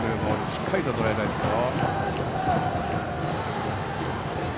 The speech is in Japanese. しっかりと、とらえたいですよ。